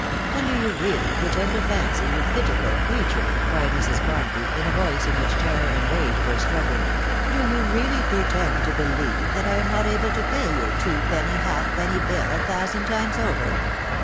" And do you really pretend to fancy, you pitiful creature," cried Mrs. Barnaby,' in a voice in which terror and rage were struggling, — "do you reafey pretend to believtf that I am not able to pay your twopenny halfpenny UU a thousand times over